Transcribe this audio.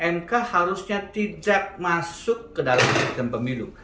mk harusnya tidak masuk ke dalam sistem pemilu